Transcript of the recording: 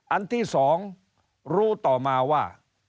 อันที่๒รู้ต่อมาว่า